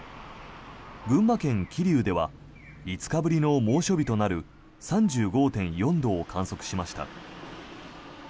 群馬県桐生では５日ぶりの猛暑日となる３５．４度を観測しました。